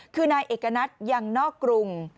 คือนายเอกณัฐยังนอกกรุง